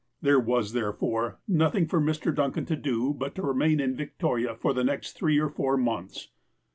There was, therefore, nothing for Mr. Duncan to do but to remain in Victoria for the next three or four months.